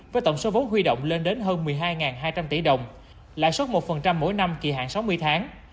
với tổng số vốn huy động lên đến hơn một mươi hai hai trăm linh tỷ đồng lãi suất một mỗi năm kỳ hạn sáu mươi tháng